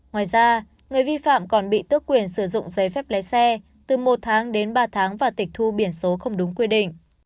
ngoài ra người vi phạm còn bị tước quyền sử dụng giấy phép lái xe từ một tháng đến ba tháng và tịch thu biển số không đúng quy định